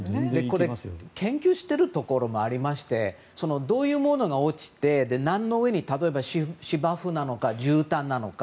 これを研究しているところもありましてどういうものが落ちて何の上に例えば芝生なのかじゅうたんなのか